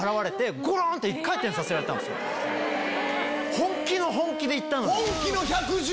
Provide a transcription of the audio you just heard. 本気の本気で行ったのに。